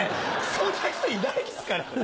そんな人いないですから！